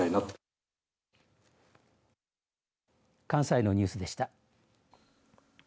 関西のニュースでした。